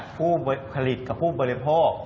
ผู้ผลิตกับผู้บริโภค